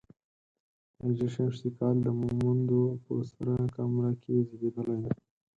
په هـ ش کال د مومندو په سره کمره کې زېږېدلی دی.